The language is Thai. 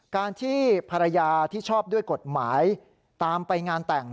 การที่ภรรยาที่ชอบด้วยกฎหมายตามไปงานแต่ง